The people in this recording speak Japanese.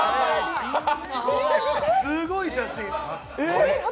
すごい写真。